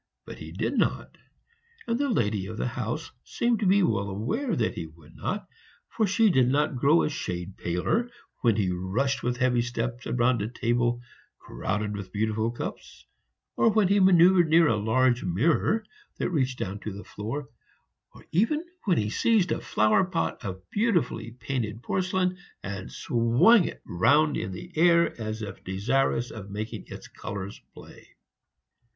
But he did not; and the lady of the house seemed to be well aware that he would not, for she did not grow a shade paler when he rushed with heavy steps round a table crowded with beautiful cups, or when he manoeuvred near a large mirror that reached down to the floor, or even when he seized a flower pot of beautifully painted porcelain and swung it round in the air as if desirous of making its colors play.